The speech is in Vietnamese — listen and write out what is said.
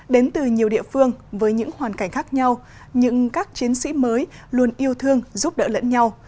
đến từ nhiều địa phương với những hoàn cảnh khác nhau những các chiến sĩ mới luôn yêu thương giúp đỡ lẫn nhau